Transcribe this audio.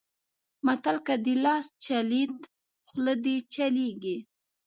متل؛ که دې لاس چلېد؛ خوله دې چلېږي.